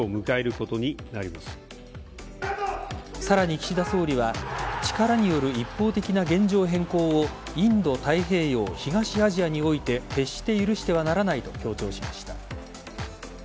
さらに岸田総理は力による一方的な現状変更をインド太平洋東アジアにおいて、決して許してはならないと強調しました。